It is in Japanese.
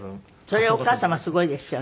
それお母様すごいですよね。